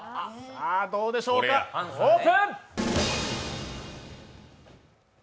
さあ、どうでしょうか、オープン！